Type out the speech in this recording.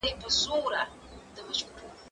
کېدای سي درسونه سخت وي،